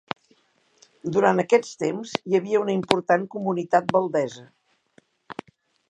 Durant aquests temps hi havia una important comunitat valdesa.